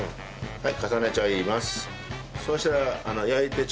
はい。